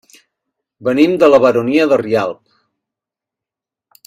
Venim de la Baronia de Rialb.